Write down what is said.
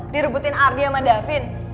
direbutin ardi sama davin